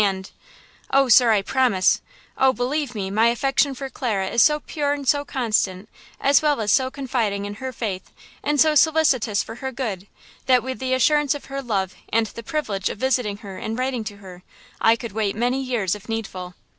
And–" "Oh, sir, I promise! Oh, believe me, my affection for Clara is so pure and so constant, as well as so confiding in her faith and so solicitous for her good, that, with the assurance of her love and the privilege of visiting her and writing to her, I could wait many years if needful."